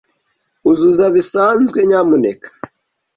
Uzuza bisanzwe, nyamuneka.